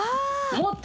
持って！